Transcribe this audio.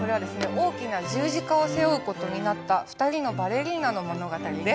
大きな十字架を背負うことになったふたりのバレリーナの物語です。